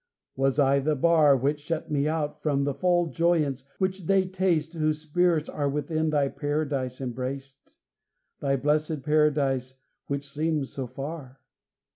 Was I the bar Which shut me out From the full joyance which they taste Whose spirits are Within Thy Paradise embraced, Thy blessed Paradise, which seemed so far?